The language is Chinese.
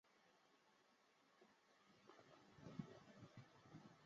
长庆桥的历史年代为清代。